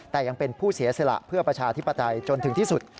แต่ยังเป็นผู้เสียสละเพื่อประชาธิปไตยจนถึงที่สุด